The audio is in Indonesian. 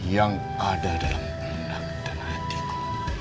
yang ada dalam menang dan hatiku